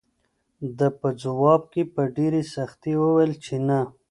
ده په ځواب کې په ډېرې سختۍ وویل چې نه.